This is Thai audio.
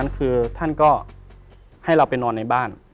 คุณแล้วไม่ปลอดภัย